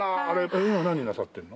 今何なさってるの？